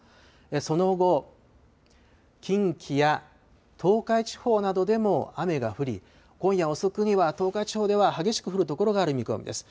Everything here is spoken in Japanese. その後、近畿や東海地方などでも雨が降り、今夜遅くには東海地方では激しく降るところがある見込みです。